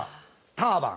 ターバン。